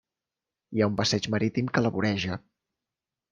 Hi ha un passeig marítim que la voreja.